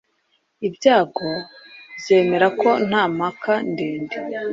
Ibyago, byemera ko nta mpaka ndende